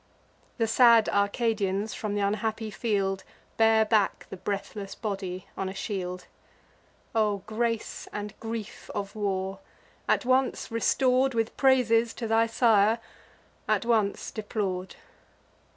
The sad Arcadians, from th' unhappy field, Bear back the breathless body on a shield. O grace and grief of war! at once restor'd, With praises, to thy sire, at once deplor'd!